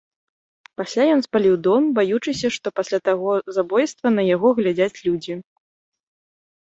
Пасля ён спаліў дом, баючыся, што пасля таго забойства на яго глядзяць людзі.